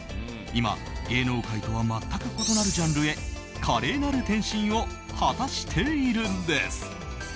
今、芸能界とは全く異なるジャンルへ華麗なる転身を果たしているんです。